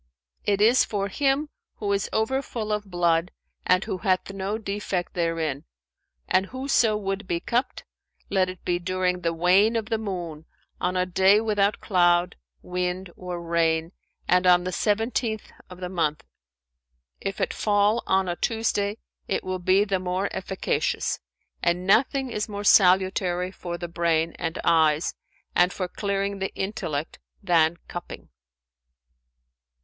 "It is for him who is over full of blood and who hath no defect therein; and whoso would be cupped, let it be during the wane of the moon, on a day without cloud, wind or rain and on the seventeenth of the month. If it fall on a Tuesday, it will be the more efficacious, and nothing is more salutary for the brain and eyes and for clearing the intellect than cupping."